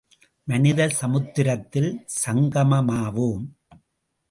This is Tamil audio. மனித சமுத்திரத்தில் சங்கமமாவோம்!